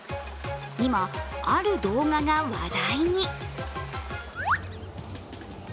今、ある動画が話題に。